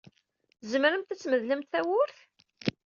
Tzemremt ad tmedlemt tawwurt?